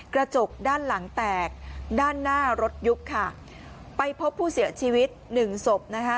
กระจกด้านหลังแตกด้านหน้ารถยุบค่ะไปพบผู้เสียชีวิตหนึ่งศพนะคะ